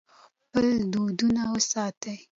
خپل دودونه وساتئ.